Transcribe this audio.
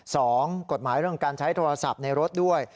สองกฎหมายเรื่องการใช้โทรศัพท์ในรถด้วย